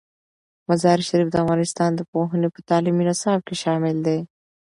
مزارشریف د افغانستان د پوهنې په تعلیمي نصاب کې شامل دی.